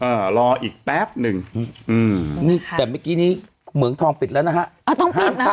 รออีกแป๊บหนึ่งอืมนี่แต่เมื่อกี้นี้เหมืองทองปิดแล้วนะฮะ